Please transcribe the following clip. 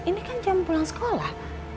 ini kan jam pulang sekolah